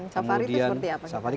safari itu seperti apa